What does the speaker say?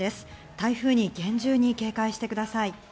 台風に厳重に警戒してください。